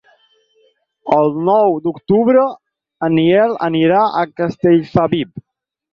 El nou d'octubre en Nel anirà a Castellfabib.